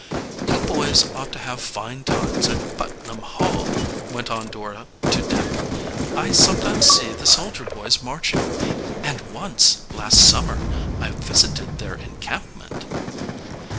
"You boys ought to have fine times at Putnam Hall," went on Dora to Dick. "I sometimes see the soldier boys marching; and once, last summer, I visited their encampment."